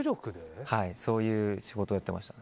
そういう仕事をやっていました。